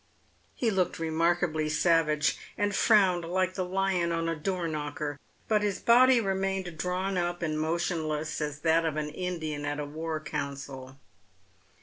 He looked remarkably savage, and frowned like the lion on a door knocker, but his body remained drawn up and motionless as that of an Indian at a war council.